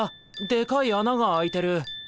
でかいあなが開いてる。